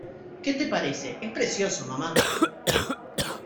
¿ Qué te parece? ¡ es precioso, mamá!